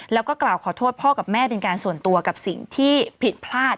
แล้วก็กล่าวขอโทษพ่อกับแม่เป็นการส่วนตัวกับสิ่งที่ผิดพลาด